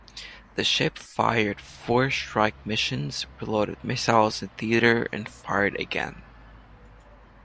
The ship fired four strike missions, reloaded missiles in theater, and fired again.